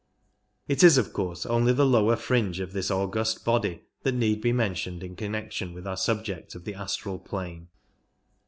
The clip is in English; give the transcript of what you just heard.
It is of course only the lower fringe of this august body that need be mentioned in connection with our subject of the astral plane.